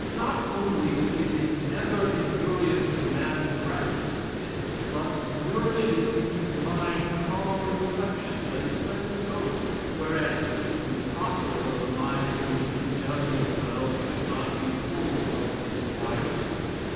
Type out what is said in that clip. Not only is it never injurious to the man who practices it, but nourishes in his mind calm reflections and pleasant hopes; whereas it is impossible that the mind in which injustice dwells, should not be full of disquietude.